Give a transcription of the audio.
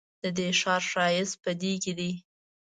ددې ښار ښایست په دې کې دی.